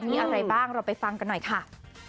มีอะไรบ้างเราไปฟังกันหน่อยค่ะ